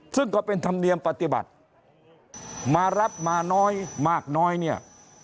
ซึ่งก็เป็นธรรมเนียมปฏิบัติมารับมาน้อยมากน้อยเนี่ย